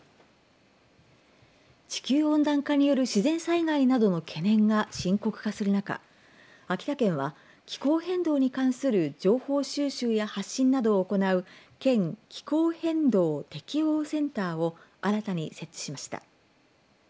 地球温暖化による自然災害などの懸念が深刻化する中秋田県は気候変動に関する情報収集や発信などを行う県気候変動適応センターを新たに設置しました。